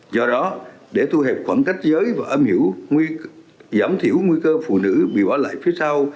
do đó để thu hẹp khoảng cách giới và âm hiểu giảm thiểu nguy cơ phụ nữ bị bỏ lại phía sau